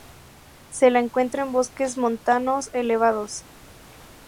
Se la encuentra en bosques montanos elevados.